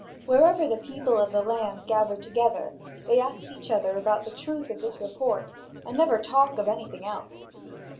Wherever the people of the land gather together, they ask each other about the truth of this report, and never talk of anything else.